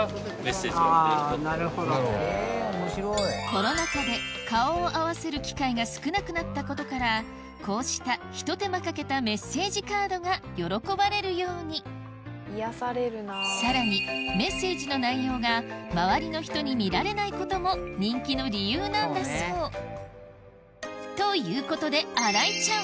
コロナ禍で顔を合わせる機会が少なくなったことからこうしたひと手間かけたメッセージカードが喜ばれるようにさらにことも人気の理由なんだそうということで新井ちゃん